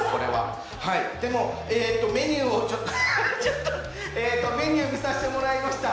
でも、メニュー見させてもらいました。